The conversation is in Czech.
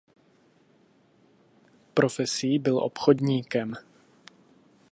Profesí byl obchodníkem.